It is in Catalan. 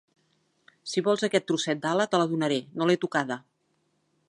Si vols aquest troçet d'ala, te la donaré. No l'he tocada.